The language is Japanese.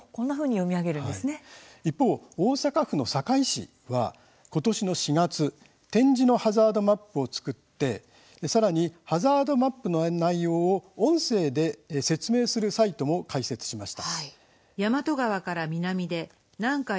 一方、大阪府堺市は今年の４月、点字のハザードマップを作ってさらにハザードマップの内容を音声で説明するサイトも開設しました。